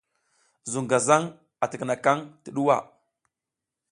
Zuŋ gazaŋ a tikinakaŋ ti ɗuwa.